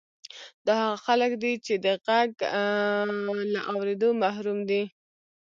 دا هغه خلک دي چې د غږ له اورېدو محروم دي